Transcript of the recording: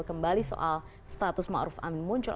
kembali soal setelah tsm muncul